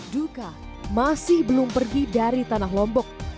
duka masih belum pergi dari tanah lombok